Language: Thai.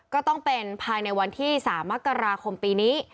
ก็ต้องเป็นภายในวันที่๓มกราคมปีนี้